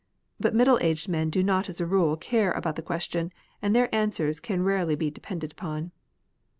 but middle aged men do not as a rule care about the question, and their answers can rarely be depended upon.